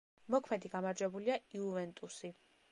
მოქმედი გამარჯვებულია „იუვენტუსი“.